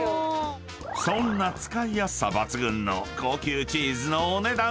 ［そんな使いやすさ抜群の高級チーズの］